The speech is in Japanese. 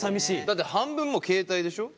だってもう半分携帯でしょ。